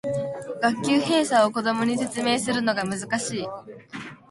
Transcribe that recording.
学級閉鎖を子供に説明するのが難しい